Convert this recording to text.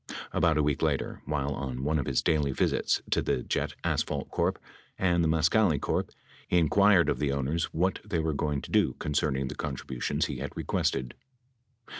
About a week later, while on one of his daily visits to the Jet Asphalt Corp. and the Mascali Corp., he inquired of the owners what they were going to do concerning the contributions he had requested.